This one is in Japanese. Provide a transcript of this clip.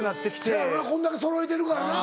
そやろなこんだけそろえてるからな。